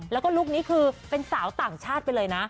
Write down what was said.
แล้วก็ลุคนี้คือเป็นสาวต่างชาติไปเลยนะ